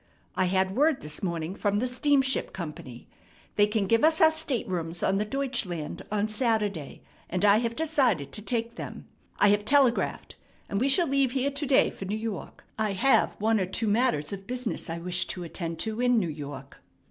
I had word this morning from the steamship company. They can give us our staterooms on the Deutschland on Saturday, and I have decided to take them. I have telegraphed, and we shall leave here to day for New York. I have one or two matters of business I wish to attend to in New York.